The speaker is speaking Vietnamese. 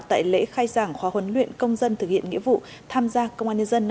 tại lễ khai giảng khóa huấn luyện công dân thực hiện nghĩa vụ tham gia công an nhân dân năm hai nghìn hai mươi bốn